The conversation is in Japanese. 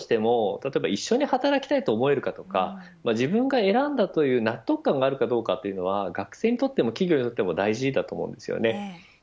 やはりＡＩ化が進んだとしても一緒に働きたいと思えるかとか自分が選んだという納得感があるかどうかというのは学生にとっても企業にとっても大事だと思います。